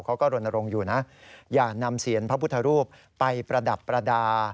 เขาก็โรนโรงอยู่นะอย่านำเสียงพระพุทธธรูปไปประดับประดา